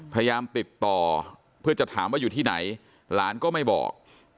พยายามติดต่อเพื่อจะถามว่าอยู่ที่ไหนหลานก็ไม่บอก